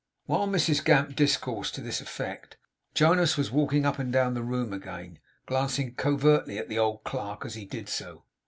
While Mrs Gamp discoursed to this effect, Jonas was walking up and down the room again, glancing covertly at the old clerk, as he did so.